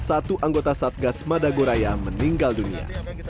satu anggota satgas madagoraya meninggal dunia